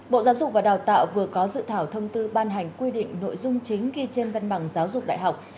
bộ giáo dục và đào tạo vừa có dự thảo thông tư ban hành quy định nội dung chính ghi trên văn bằng giáo dục đại học